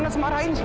engga enggak enggak